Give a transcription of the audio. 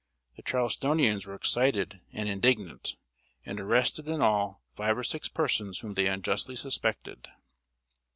The Charlestonians were excited and indignant, and arrested in all five or six persons whom they unjustly suspected.